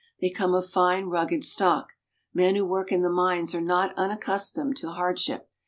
They come of fine, rugged stock. Men who work in the mines are not unaccustomed to hardship.